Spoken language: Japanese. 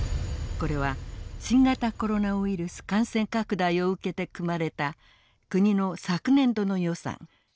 これは新型コロナウイルス感染拡大を受けて組まれた国の昨年度の予算。